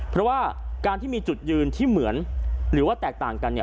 เพราะว่าการที่มีจุดยืนที่เหมือนหรือว่าแตกต่างกันเนี่ย